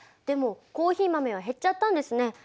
でもコーヒー豆は減っちゃったんですね。